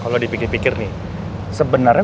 kalo dipikir pikir nih sebenernya